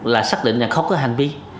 là xác định là không có hành vi